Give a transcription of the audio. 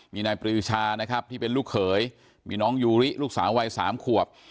มีนายปรีชานะครับที่เป็นลูกเขยมีน้องยูริลูกสาววัย๓ขวบ